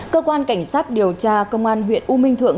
cơ quan cảnh sát điều tra công an huyện u minh thượng